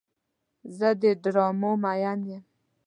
زه د ډرامو مین یم.